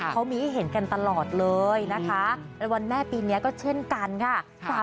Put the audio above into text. เขามีให้เห็นกันตลอดเลยนะคะในวันแม่ปีนี้ก็เช่นกันค่ะ